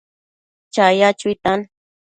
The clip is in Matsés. chaya chuitan